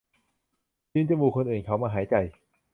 ยืมจมูกคนอื่นเขามาหายใจ